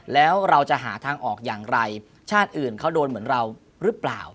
แล้วเราจะหาทางออกอย่างไรชาติอื่นเขาโดนเหมือนเราหรือเปล่า